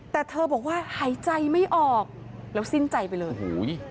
แต่เธอบอกว่าหายใจไม่ออกแล้วสิ้นใจไปเลยโอ้โห